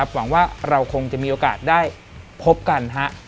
หวังว่าเราคงจะมีโอกาสได้พบกัน